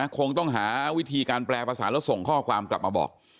คงต้องหาวิธีการแปลภาษาแล้วส่งข้อความกลับมาบอก